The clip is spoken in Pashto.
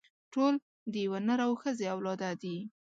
ټول د يوه نر او ښځې اولاده دي.